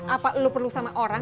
apa lu perlu sama orang